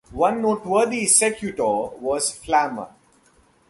One noteworthy secutor was Flamma.